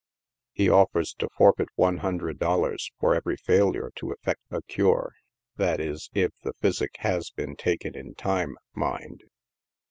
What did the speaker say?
He offers to forfeit one hundred dollars for every failure to effect a cure — that is, if the physic has been taken in time, mind.